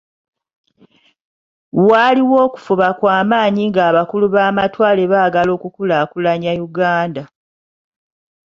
Waaliwo okufuba kwa maanyi nga abakulu b’amatwale baagala okukulaakulanya Uganda.